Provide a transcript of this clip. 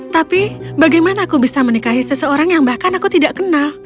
tapi bagaimana aku bisa menikahi seseorang yang bahkan aku tidak kenal